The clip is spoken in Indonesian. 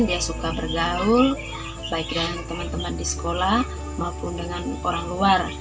dia suka bergaul baik dengan teman teman di sekolah maupun dengan orang luar